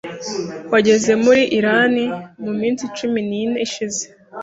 wageze muri Iran mu minsi cumi nine ishize